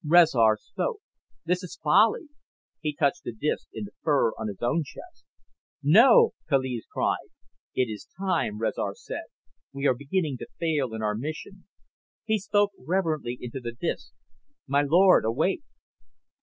Rezar spoke. "This is folly." He touched the disk in the fur of his own chest. "No!" Kaliz cried. "It is time," Rezar said. "We are beginning to fail in our mission." He spoke reverently into the disk, "My lord, awake."